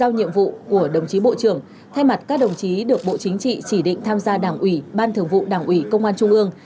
giao nhiệm vụ của đồng chí bộ trưởng thay mặt các đồng chí được bộ chính trị chỉ định tham gia đảng ủy ban thường vụ đảng ủy công an trung ương